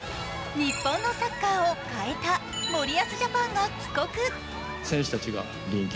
日本のサッカーを変えた森保ジャパンが帰国。